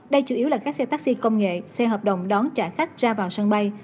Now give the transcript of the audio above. đây chủ yếu là các xe taxi công nghệ xe hợp đồng đón trả khách ra vào sân bay